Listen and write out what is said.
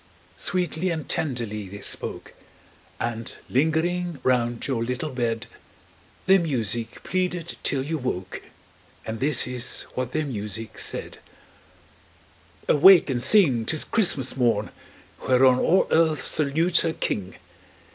Sweetly and tenderly they spoke, And lingering round your little bed, Their music pleaded till you woke, And this is what their music said: "Awake and sing! 'tis Christmas morn, Whereon all earth salutes her King!